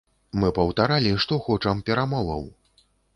Мы паўтаралі, што хочам перамоваў.